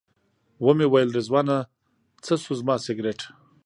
ومې ویل رضوانه څه شو زما سګرټ.